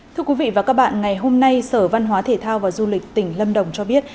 thưa quý vị và các bạn ngày hôm nay sở văn hóa thể thao và du lịch tỉnh lâm đồng cho biết